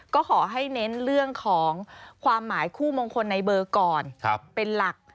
ก็ขอให้เน้นเรื่องของความหมายคู่มงคลในเบอร์ก่อนเป็นหลัก